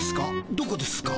どこですか？